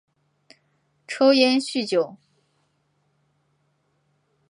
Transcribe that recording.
抽烟酗酒